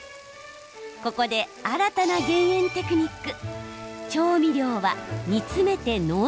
ここで、新たな減塩テクニック。